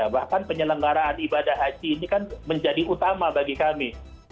bahkan penyelenggaraan ibadah haji ini kan menjadi utama bagi kami